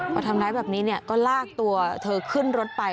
พอทำร้ายแบบนี้ก็ลากตัวเธอขึ้นรถไป